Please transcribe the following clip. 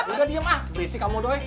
enggak diam ah beresik kamu doang